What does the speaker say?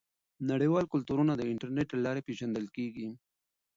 نړیوال کلتورونه د انټرنیټ له لارې پیژندل کیږي.